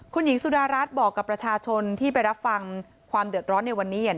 คุณหญิงสุดารัฐบอกกับประชาชนที่ไปรับฟังความเดือดร้อนในวันนี้